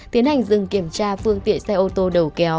tiến hành dừng kiểm tra phương tiện xe ô tô đầu kéo